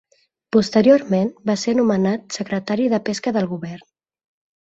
Posteriorment, va ser nomenat Secretari de Pesca del govern.